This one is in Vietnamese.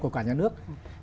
của cả nhà nước